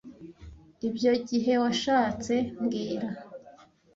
Ibyo gihe washatse mbwira